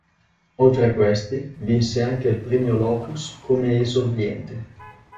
Oltre a questi vinse anche il Premio Locus come esordiente.